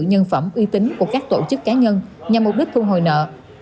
nhân phẩm uy tín của các tổ chức cá nhân nhằm mục đích thu hồi nợ